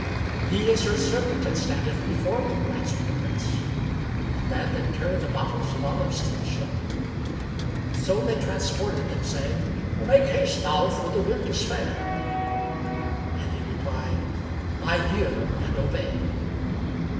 "He is your servent and he standeth before you!" answered the Prince and bade them carry the bottles of olives to the ship; so they transported them, saying, "Make haste, thou, for the wind is fair;" and he replied, "I hear and obey."